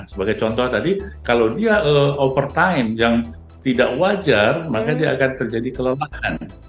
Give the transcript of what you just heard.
sebagai contoh tadi kalau dia over time yang tidak wajar maka dia akan terjadi kelelahan